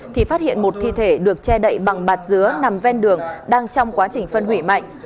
thì phát hiện một thi thể được che đậy bằng bạt dứa nằm ven đường đang trong quá trình phân hủy mạnh